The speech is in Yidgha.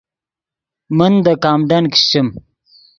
من دے کامڈن کیشچیم